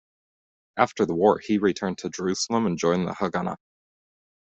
After the war, he returned to Jerusalem and joined the Haganah.